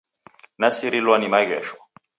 Nasirilwa ni maghesho.